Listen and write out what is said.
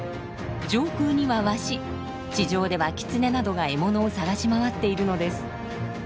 上空にはワシ地上ではキツネなどが獲物を探し回っているのです。